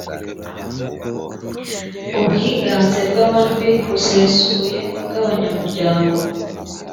ubwiganze bw amajwi busesuye bw abanyamuryango